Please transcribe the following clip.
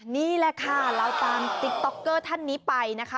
นี่แหละค่ะเราตามติ๊กต๊อกเกอร์ท่านนี้ไปนะคะ